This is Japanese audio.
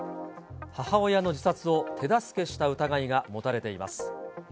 母親の自殺を手助けした疑いが持たれています。